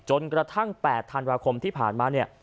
จนกระทั่ง๘ธันวาคมที่ผ่านมาเนี่ย